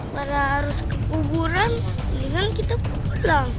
kalau harus ke kuburan mendingan kita pulang